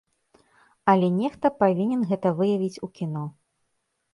Але нехта павінен гэта выявіць у кіно.